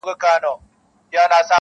سړی وایې کورته غل نه دی راغلی,